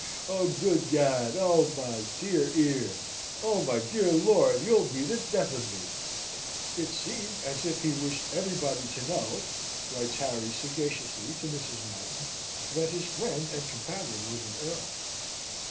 Oh, good Gad! Oh, my dear earl! Oh, my dear lord, you'll be the death of me!" "It seemed as if he wished everybody to know," writes Harry sagaciously to Mrs. Mountain, "that his friend and companion was an Erl!"